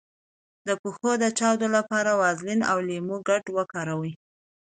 د پښو د چاودیدو لپاره د ویزلین او لیمو ګډول وکاروئ